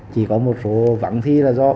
chỉ có một số vắng thi là do